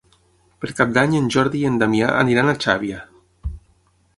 Per Cap d'Any en Jordi i en Damià aniran a Xàbia.